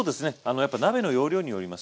やっぱ鍋の容量によります。